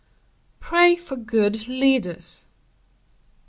"Pray for good leaders."